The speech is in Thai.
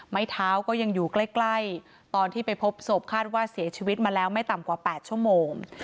ไม้เท้าก็ยังอยู่ใกล้ตอนที่ไปพบศพคาดว่าเสียชีวิตมาแล้วไม่ต่ำกว่า๘ชั่วโมง